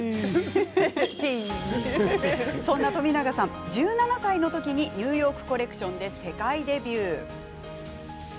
そんな冨永さん、１７歳の時にニューヨークコレクションで世界デビュー。